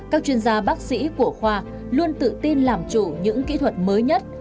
các chuyên gia bác sĩ của khoa luôn tự tin làm chủ những kỹ thuật mới nhất